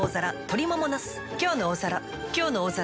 「きょうの大皿」